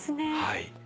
はい。